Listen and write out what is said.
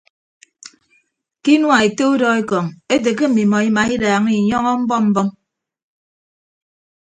Ke inua ete udọ ekọñ ete ke mmimọ imaidaaña inyọñọ mbọm mbọm.